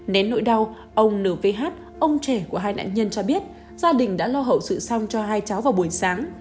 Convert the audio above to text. nén nỗi đau ông n v h ông trẻ của hai nạn nhân cho biết gia đình đã lo hậu sự xong cho hai cháu vào buổi sáng